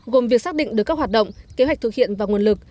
gồm việc xác định được các hoạt động kế hoạch thực hiện và nguồn lực